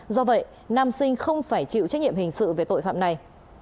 do vậy nam sinh không phải chịu trách nhiệm hình sự về tội phạm này